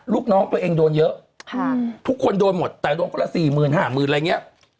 ลูกน้องตัวเองโดนเยอะค่ะทุกคนโดนหมดแต่ลูกน้องก็ละสี่หมื่นห้าหมื่นอะไรเงี้ย